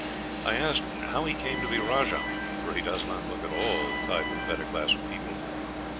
I asked how he came to be rajah; for he does not look at all the type of the better class of people.